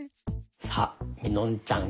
さあみのんちゃん